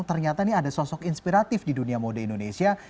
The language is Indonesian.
ternyata ini ada sosok inspiratif di dunia mode indonesia